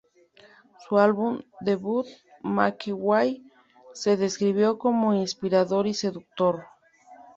Su álbum debut: "Make Way" se describió como "inspirador y seductor".